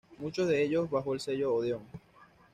Muchos de ellos bajo el sello Odeón.